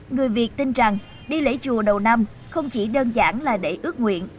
người việt tin rằng đi lễ chùa đầu năm không chỉ đơn giản là để ước nguyện